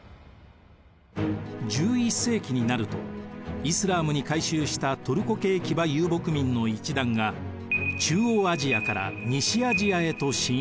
１１世紀になるとイスラームに改宗したトルコ系騎馬遊牧民の一団が中央アジアから西アジアへと進出。